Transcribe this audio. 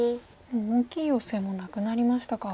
もう大きいヨセもなくなりましたか。